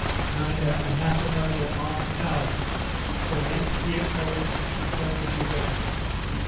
Neither anathema nor armed thousands shall make me acknowledge the supremacy of Edward.